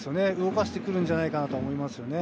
動かしてくるんじゃないかなと思いますね。